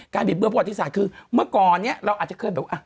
บิดเบือประวัติศาสตร์คือเมื่อก่อนเนี่ยเราอาจจะเคยแบบ